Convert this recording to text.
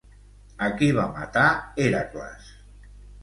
A qui va matar Hèracles?